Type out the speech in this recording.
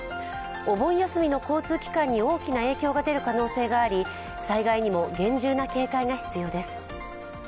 お盆休みの交通機関に大きな影響が出る可能性があり災害にも厳重な警戒が必要です。